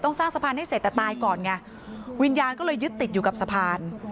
แต่ตายก่อนไงวิญญาณก็เลยยึดติดอยู่กับสะพาน